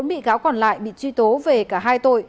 bốn bị cáo còn lại bị truy tố về cả hai tội